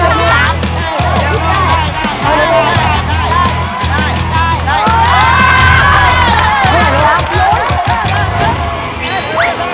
โอ้โฮนี่ตัวตื่นถึงกวน